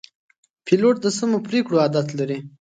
پیلوټ د سمو پرېکړو عادت لري.